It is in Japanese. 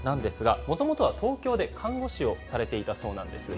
もともとは東京で看護師をされていたそうです。